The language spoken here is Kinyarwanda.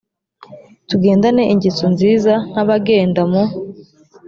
tugendane ingeso nziza nk abagenda mu